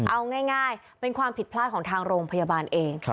เอาง่ายเป็นความผิดพลาดของทางโรงพยาบาลเอง